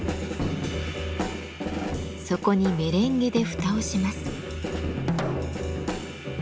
そこにメレンゲで蓋をします。